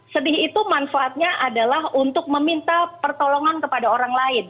sedih itu manfaatnya adalah untuk meminta pertolongan kepada orang lain